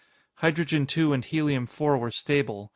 Hydrogen 2 and Helium 4 were stable.